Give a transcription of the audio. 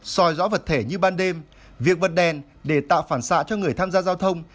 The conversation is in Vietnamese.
soi rõ vật thể như ban đêm việc vật đèn để tạo phản xạ cho người tham gia giao thông